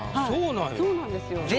そうなんですよ。